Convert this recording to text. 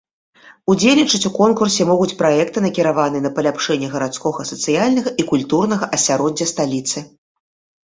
Удзельнічаць у конкурсе могуць праекты, накіраваныя на паляпшэнне гарадскога сацыяльнага і культурнага асяроддзя сталіцы.